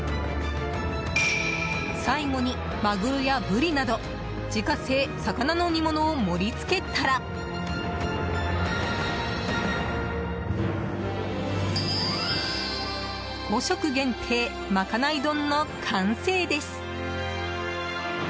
最後にマグロやブリなど自家製、魚の煮物を盛り付けたら５食限定、まかない丼の完成です。